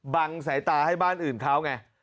สายตาให้บ้านอื่นเขาไง